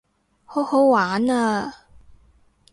好好玩啊